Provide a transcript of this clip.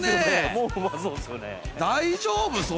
もううまそうですね。